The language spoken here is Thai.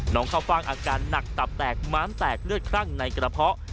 ข้าวฟ่างอาการหนักตับแตกม้ามแตกเลือดคลั่งในกระเพาะ